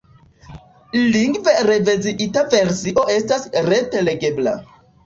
Lingve reviziita versio estas rete legebla.